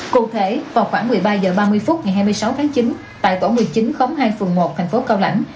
cụ thể vào khoảng một mươi ba h ba mươi phút ngày hai mươi sáu tháng chín tại tổ một mươi chín khóm hai phường một thành phố cao lãnh